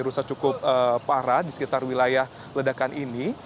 rusak cukup parah di sekitar wilayah ledakan ini